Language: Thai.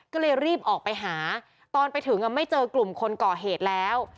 ก็เลยรีบออกไปหาตอนไปถึงไม่เจอกลุ่มคนก่อเหตุแล้ว